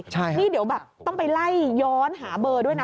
ใช่นี่เดี๋ยวแบบต้องไปไล่ย้อนหาเบอร์ด้วยนะ